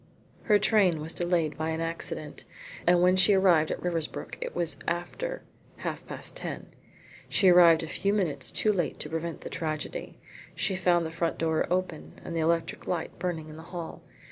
Her train was delayed by an accident, and when she arrived at Riversbrook it was after half past ten. She arrived a few minutes too late to prevent the tragedy. She found the front door open and the electric light burning in the hall.